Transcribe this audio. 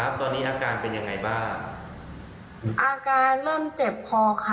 ตอนนี้อาการเป็นยังไงบ้างอาการเริ่มเจ็บคอค่ะ